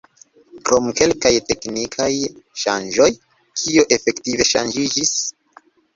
Krom kelkaj teknikaj ŝanĝoj, kio efektive ŝanĝiĝis?